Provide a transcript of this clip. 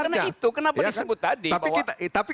karena itu kenapa disebut tadi tapi